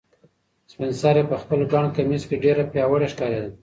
سپین سرې په خپل ګڼ کمیس کې ډېره پیاوړې ښکارېده.